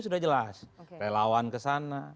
sudah jelas relawan kesana